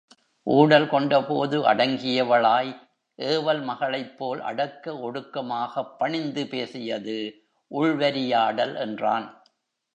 ஊடல் கொண்ட போது அடங்கியவளாய் ஏவல் மகளைப் போல் அடக்க ஒடுக்கமாகப் பணிந்து பேசியது உள்வரியாடல் என்றான்.